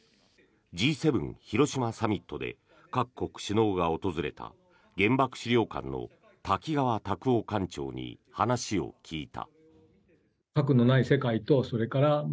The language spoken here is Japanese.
Ｇ７広島サミットで各国首脳が訪れた原爆資料館の滝川卓男館長に話を聞いた。